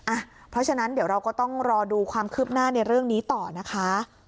อ่ะเพราะฉะนั้นเดี๋ยวเราก็ต้องรอดูความคืบหน้าในเรื่องนี้ต่อนะคะ